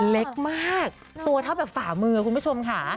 เล็กมากตัวเท่าแบบฝ่ามือคุณผู้ชมค่ะ